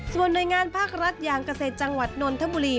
ส่วนหน่วยงานภาครัฐอย่างเกษตรจังหวัดนนทบุรี